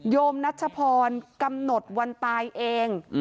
โมนัชพรกำหนดวันตายเอง